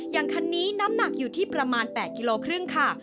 อย่างคันนี้น้ำหนักอยู่ที่ประมาณ๘๕กิโลกรัมค่ะ